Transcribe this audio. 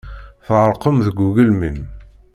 Tɣerqem deg ugelmim.